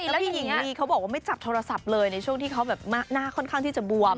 แล้วพี่หญิงลีเขาบอกว่าไม่จับโทรศัพท์เลยในช่วงที่เขาแบบหน้าค่อนข้างที่จะบวม